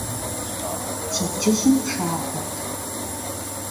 Пщэдджыжьым пшагъуэт.